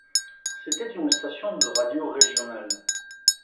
C'était une station de radio régionale.